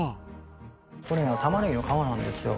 これタマネギの皮なんですよ。